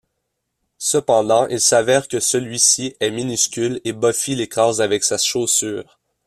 Cependant, il s'avère que celui-ci est minuscule et Buffy l'écrase avec sa chaussure.